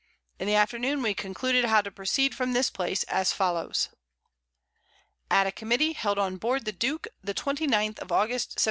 In the Afternoon we concluded how to proceed from this Place as follows. At a Committee held on board the Duke the 29th of August, 1709.